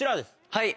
はい。